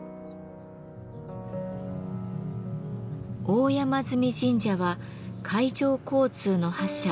大山神社は海上交通の覇者